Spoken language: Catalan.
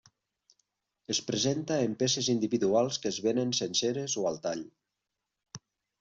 Es presenta en peces individuals, que es venen senceres o al tall.